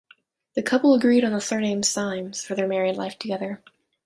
The couple agreed on the surname "Symes" for their married life together.